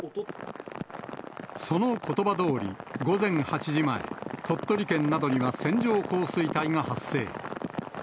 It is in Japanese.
そのことばどおり、午前８時前、鳥取県などには線状降水帯が発生。